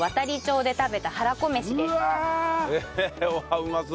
うまそう！